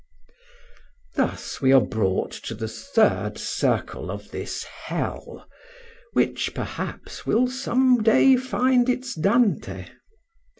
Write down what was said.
Thus we are brought to the third circle of this hell, which, perhaps, will some day find its Dante.